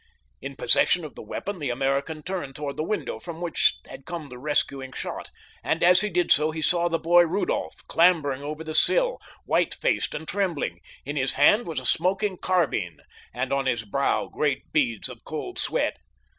In possession of the weapon, the American turned toward the window from which had come the rescuing shot, and as he did so he saw the boy, Rudolph, clambering over the sill, white faced and trembling. In his hand was a smoking carbine, and on his brow great beads of cold sweat.